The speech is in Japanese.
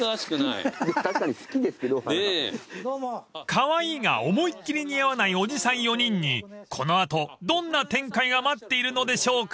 ［カワイイが思いっきり似合わないおじさん４人にこの後どんな展開が待っているのでしょうか］